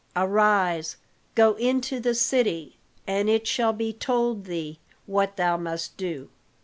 "Arise, go into the city, and it shall be told thee what thou must do."